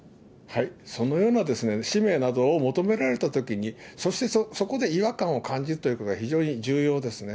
そのような氏名などを求められたときに、そしてそこで違和感を感じるということが非常に重要ですね。